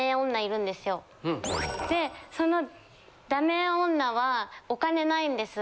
でそのダメ女はお金ないんです。